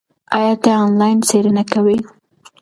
ایا ته آنلاین څېړنه کوې؟